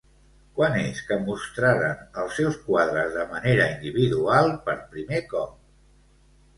Quan és que mostraren els seus quadres de manera individual per primer cop?